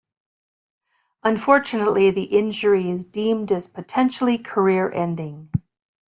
Unfortunately, the injury is deemed as potentially career-ending.